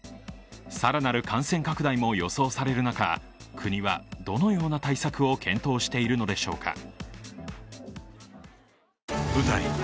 更なる感染拡大も予想される中、国はどのような対策を検討しているのでしょうか。